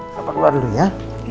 kau keluar dulu ya